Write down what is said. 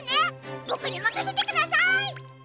ボクにまかせてください！